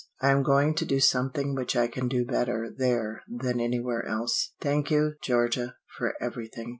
I am going to do something which I can do better there than anywhere else. Thank you, Georgia, for everything.